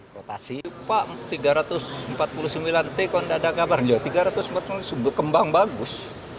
rp tiga ratus empat puluh sembilan triliun kembang bagus